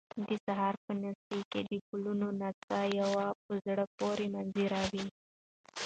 د سهار په نسي کې د ګلانو نڅا یو په زړه پورې منظر وي